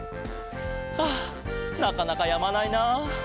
ああなかなかやまないな。